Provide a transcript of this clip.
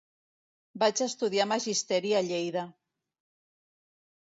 Vaig estudiar magisteri a Lleida.